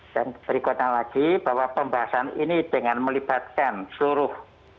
dan berikutnya lagi bahwa pembahasan ini dengan melibatkan seluruh